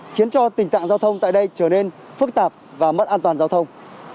khiến cho tình trạng giao thông tại đây trở nên phức tạp và mất an toàn giao thông